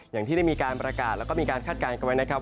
อย่างที่ได้มีการประกาศแล้วก็มีการคาดการณ์กันไว้นะครับ